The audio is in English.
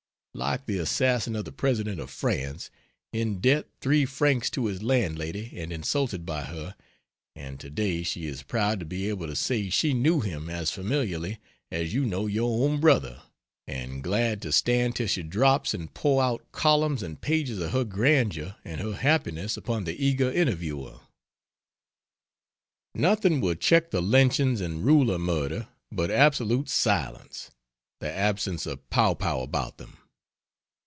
like the assassin of the President of France in debt three francs to his landlady, and insulted by her and to day she is proud to be able to say she knew him "as familiarly as you know your own brother," and glad to stand till she drops and pour out columns and pages of her grandeur and her happiness upon the eager interviewer. Nothing will check the lynchings and ruler murder but absolute silence the absence of pow pow about them.